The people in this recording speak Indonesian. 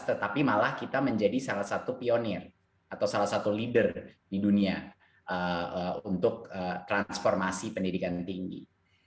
tetapi malah kita menjadi salah satu pionir atau salah satu leader di dunia untuk transformasi pendidikan tinggi